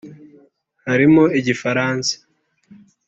harimo Igifaransa